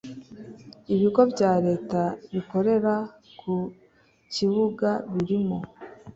ibigo bya Leta bikorera ku kibuga birimo